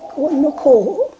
con nó khổ